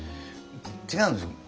違うんですよ。